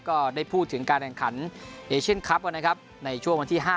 ก็ได้พูดถึงการแข่งขันเอเชียนคลับนะครับในช่วงวันที่๕